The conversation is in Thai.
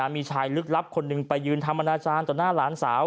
มีชายลึกลับคนหนึ่งไปยืนทำอนาจารย์ต่อหน้าหลานสาว